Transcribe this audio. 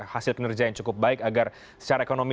hasil kinerja yang cukup baik agar secara ekonomi